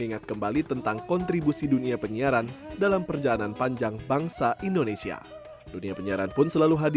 informasi yang berlebihan merupakan tantangan yang harus kita kelola